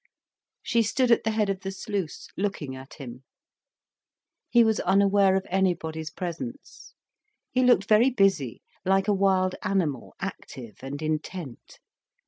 She stood at the head of the sluice, looking at him. He was unaware of anybody's presence. He looked very busy, like a wild animal, active and intent.